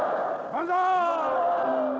万歳！